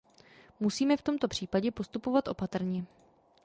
Musíme v tomto případě postupovat opatrně.